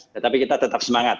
tetapi kita tetap semangat